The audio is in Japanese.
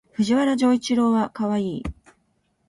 藤原丈一郎はかわいい